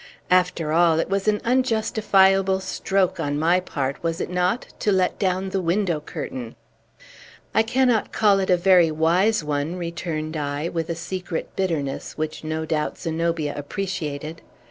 After all, it was an unjustifiable stroke, on my part, was it not? to let down the window curtain!" "I cannot call it a very wise one," returned I, with a secret bitterness, which, no doubt, Zenobia appreciated.